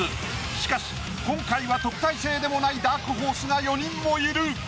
しかし今回は特待生でもないダークホースが４人もいる。